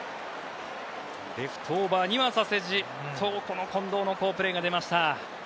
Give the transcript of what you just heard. レフトオーバーにはさせず近藤の好プレーが出ました。